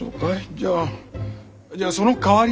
じゃあじゃあそのかわりに。